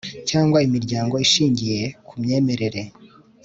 cyangwa imiryango ishingiye ku myemerere